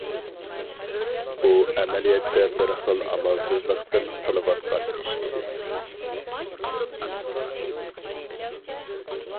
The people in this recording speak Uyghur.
ئۇ ئەمەلىيەتتە بىر خىل ئامالسىزلىقتىن قىلىۋاتقان ئىش ئىدى.